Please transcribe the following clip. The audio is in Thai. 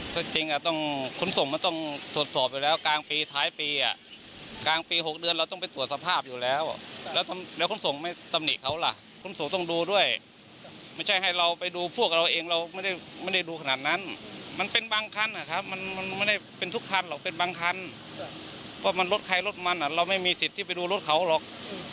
ก็มันรถไข่รถมันอ่ะเราไม่มีสิทธิ์ที่ไปดูรถเขาหรอก